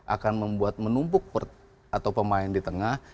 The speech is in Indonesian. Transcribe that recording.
akan membuat menumpuk atau pemain di tengah